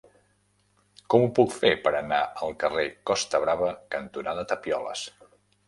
Com ho puc fer per anar al carrer Costa Brava cantonada Tapioles?